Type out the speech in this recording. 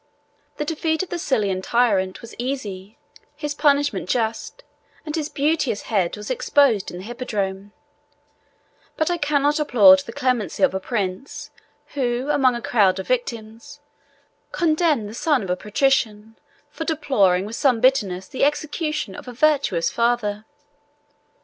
The defeat of the Sicilian tyrant was easy, his punishment just, and his beauteous head was exposed in the hippodrome: but I cannot applaud the clemency of a prince, who, among a crowd of victims, condemned the son of a patrician, for deploring with some bitterness the execution of a virtuous father.